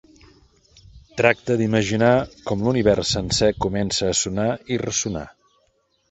Tracta d'imaginar com l'univers sencer comença a sonar i ressonar.